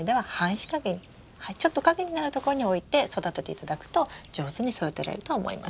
ちょっと陰になる所に置いて育てていただくと上手に育てられると思います。